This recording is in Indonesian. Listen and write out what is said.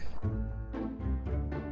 disitu ada jalan